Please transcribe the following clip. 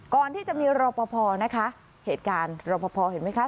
ก่อนที่จะมีรอปภนะคะเหตุการณ์รอปภเห็นไหมคะ